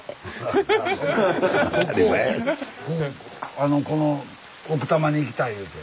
あのこの奥多摩に来たいいうて。